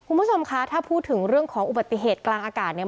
คุณผู้ชมคะถ้าพูดถึงเรื่องของอุบัติเหตุกลางอากาศเนี่ย